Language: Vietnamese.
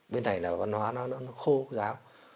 bên này là văn hóa nó khô ráo